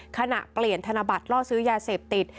ขณะเปลี่ยนธนบัตรล่อซื้อยาเสพติด